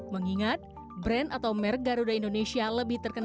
mengingat brand atau merek garuda indonesia lebih terkenal